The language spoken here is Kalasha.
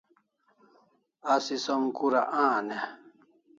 Asi som kura an e?